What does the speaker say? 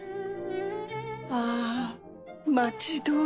ああ待ち遠しい